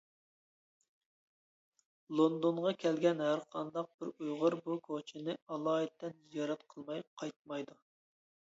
لوندونغا كەلگەن ھەرقانداق بىر ئۇيغۇر بۇ كوچىنى ئالايىتەن زىيارەت قىلماي قايتمايدۇ.